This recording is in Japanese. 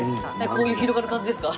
こういう広がる感じですか？